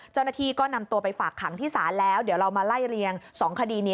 เจ้าหน้าที่ก็นำตัวไปฝากขังที่ศาลแล้วเดี๋ยวเรามาไล่เรียง๒คดีนี้